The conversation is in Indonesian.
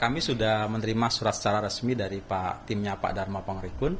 kami sudah menerima surat secara resmi dari timnya pak dharma pangrikun